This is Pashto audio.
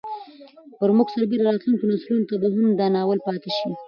پر موږ سربېره راتلونکو نسلونو ته به هم دا ناول پاتې شي.